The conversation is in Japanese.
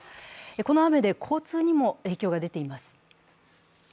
この雨で交通にも影響が出ています。